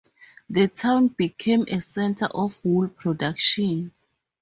The town became a centre of wool production.